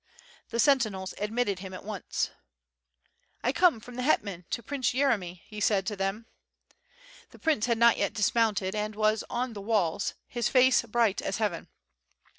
The sentinuels admitted him at once. "I come from the hetman to Prince Yeremy,^' he said to them. The prince had not yet dismounted, and was on the walls, his face bright as heaven.